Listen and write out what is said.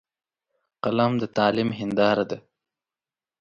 قلم د تعلیم هنداره ده